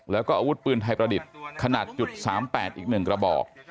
แล้วก็อาวุธปืนไทยประดิษฐ์ขนาด๓๘อีก๑กระบอก